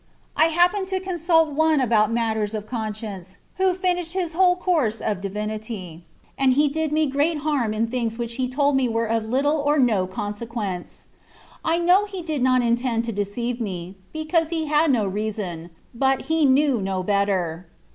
I happened to consult one about mat ters of conscience, who had finished his whole course of divinity, and he did me great harm in things which he told me were of little or no con sequence. I know he did not intend to deceive me, because he had no reason, but he knew no better.